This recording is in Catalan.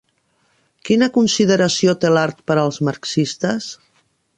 Quina consideració té l'art per als marxistes?